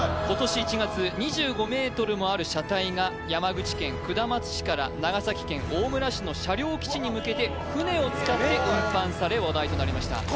今年１月２５ｍもある車体が山口県下松市から長崎県大村市の車両基地に向けて船を使って運搬され話題となりました